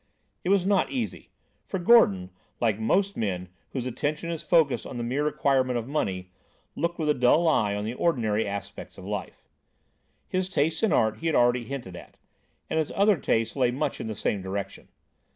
It was not easy; for Gordon, like most men whose attention is focussed on the mere acquirement of money, looked with a dull eye on the ordinary interests of life. His tastes in art he had already hinted at, and his other tastes lay much in the same direction.